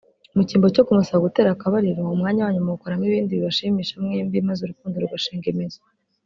Mu cyimbo cyo kumusaba gutera akabariro umwanya wanyu muwukoramo ibindi bibashimisha mwembi maze urukundo rugashinga imizi